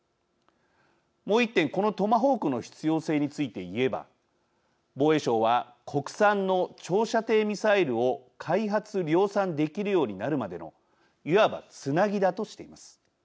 もう一点、このトマホークの必要性について言えば防衛省は国産の長射程ミサイルを開発、量産できるようになるまでのいわば、つなぎだとしています。